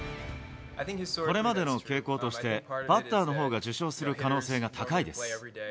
これまでの傾向として、バッターのほうが受賞する可能性が高いです。